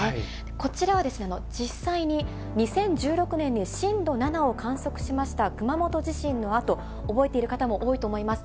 こちらは実際に、２０１６年に震度７を観測しました熊本地震のあと、覚えている方も多いと思います。